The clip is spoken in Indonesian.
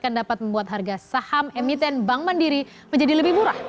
yang dapat membuat harga saham emiten bank mandiri menjadi lebih murah